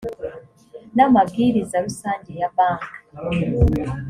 namabwiriza rusange ya bank.